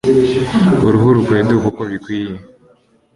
uruhu rukweduka uko bikwiye.